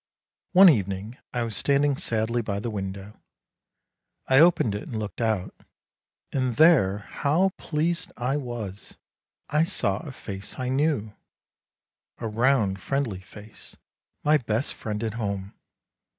One evening I was standing sadly by the window. I opened it and looked out, and there, how pleased I w r as ! I saw a face I knew, a round friendly face, my best friend at home.